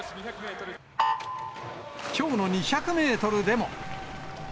きょうの２００メートルでも。